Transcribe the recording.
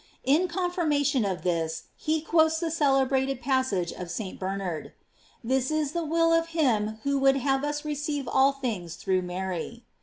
* In confirma tion of this, he quotes the celebrated passage of St. Bernard: This is the will of him who would have us receive all things through Mary.